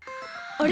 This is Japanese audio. あれ？